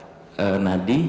sudah tidak ada nadi